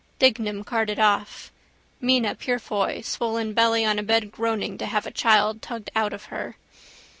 Dignam carted off. Mina Purefoy swollen belly on a bed groaning to have a child tugged out of her.